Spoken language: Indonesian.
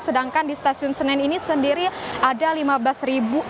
sedangkan di stasiun senen ini sendiri ada lima belas ribu